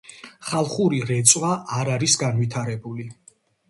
ხალხური რეწვა არ არის განვითარებული.